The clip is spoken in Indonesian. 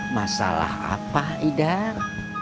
masalah apa idan